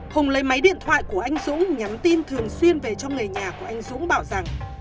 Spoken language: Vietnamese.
hùng lấy máy điện thoại của anh dũng nhắn tin thường xuyên về trong người nhà của anh dũng bảo rằng